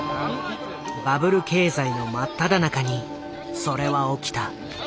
バブル経済の真っただ中にそれは起きた。